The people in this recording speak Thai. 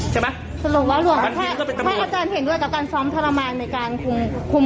ใช่ไหมสรุปว่าท่านเห็นด้วยกับการซ้อมทรมานในการคง